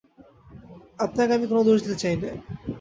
আপনাকে আমি কোনো দোষ দিতে চাই নে।